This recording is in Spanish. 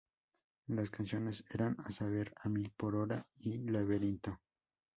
Las canciones eran a saber: A Mil Por Hora y Laberinto.